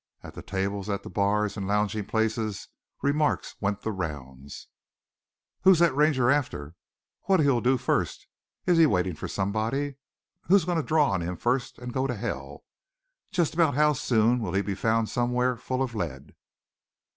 At the tables, at the bars and lounging places remarks went the rounds: "Who's thet Ranger after? What'll he do fust off? Is he waitin' fer somebody? Who's goin' to draw on him fust an' go to hell? Jest about how soon will he be found somewhere full of lead?"